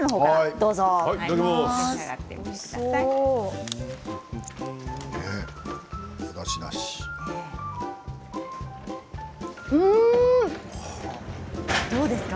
どうですか？